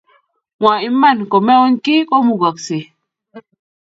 Mwaa iman komeuny kiy komukoksei